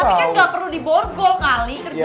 tapi kan gak perlu di borgol kali kerjanya